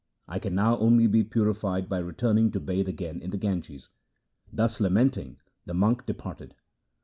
I can now only be purified by returning to bathe again in the Ganges.' Thus lamenting the monk departed.